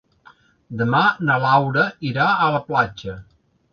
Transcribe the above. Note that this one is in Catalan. Demà na Laura irà a la platja.